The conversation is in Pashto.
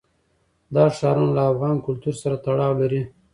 دا ښارونه له افغان کلتور سره تړاو لري.